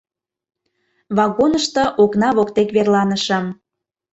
Вагонышто окна воктек верланышым.